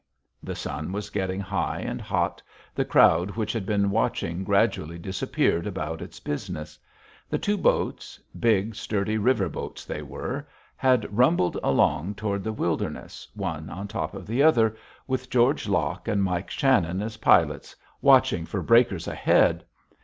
The sun was getting high and hot. The crowd which had been watching gradually disappeared about its business. The two boats big, sturdy river boats they were had rumbled along toward the wilderness, one on top of the other, with George Locke and Mike Shannon as pilots, watching for breakers ahead.